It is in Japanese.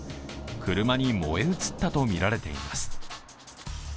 車に燃え移ったとみられています。